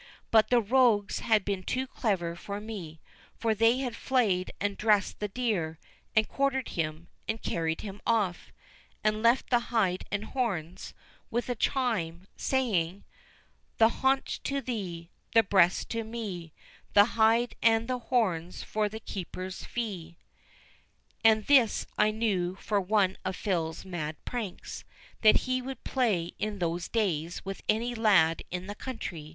But the rogues had been too clever for me; for they had flayed and dressed the deer, and quartered him, and carried him off, and left the hide and horns, with a chime, saying,— 'The haunch to thee, The breast to me, The hide and the horns for the keeper's fee.' And this I knew for one of Phil's mad pranks, that he would play in those days with any lad in the country.